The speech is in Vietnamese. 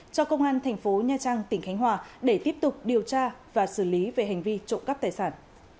cho công an thành phố nha trang tỉnh khánh hòa để tiếp tục điều tra và xử lý về hành vi trộm cắp tài sản